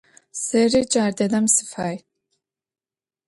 Сэри джар дэдэм сыфай.